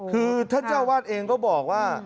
คือท่านเจ้าวาดเองก็บอกว่า